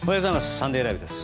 「サンデーＬＩＶＥ！！」です。